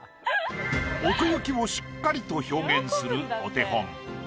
奥行きをしっかりと表現するお手本。